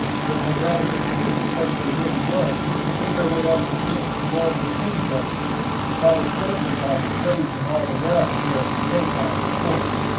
The piratical crew, for such they really were, took their way up the hill, towards the king's residence, followed closely by the slaves and all the rabble who had escaped out of the fort.